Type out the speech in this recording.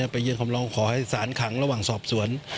ไปยื่นคำร้องขอให้สารขังระหว่างสอบสวน